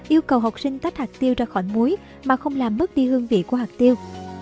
yêu cầu học sinh tách hạt tiêu ra khỏi muối mà không làm mất đi hương vị của hạt tiêu